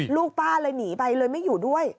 ลูกป้าเลยหนีไปเลยไม่อยู่ด้วย